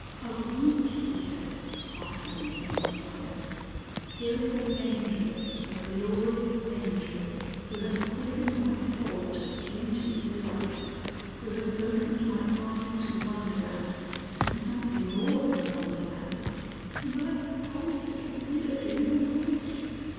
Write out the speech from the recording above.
"A week!" he said, after an immense silence. "Here is an Angel, a glorious Angel, who has quickened my soul to beauty and delight, who has opened my eyes to Wonderland, and something more than Wonderland, ... and I have promised to get rid of him in a week!